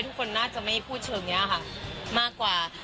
ทุกคนน่าจะไม่พูดเชิงนี้ค่ะมากกว่า